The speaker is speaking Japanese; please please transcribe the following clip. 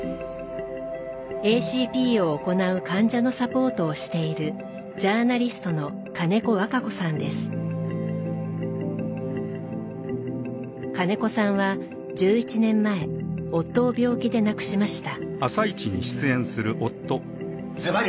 ＡＣＰを行う患者のサポートをしている金子さんは１１年前夫を病気で亡くしました。